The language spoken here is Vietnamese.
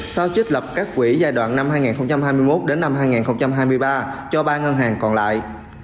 sau trích lập các quỹ giai đoạn năm hai nghìn hai mươi một đến năm hai nghìn hai mươi ba cho ba ngân hàng còn lại